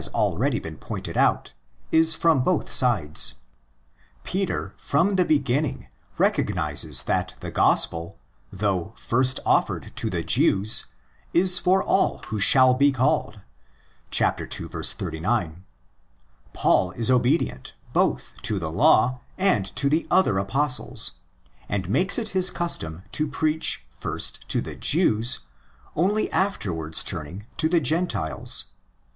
already been pointed out, is from both sides. Peter from the beginning recognises that the Gospel, though first offered to the Jews, is for all who shall be called (ii. 89). Paul is obedient both to the Law and to the other Apostles, and makes it his custom to preach first to the Jews, only afterwards turning to the Gentiles.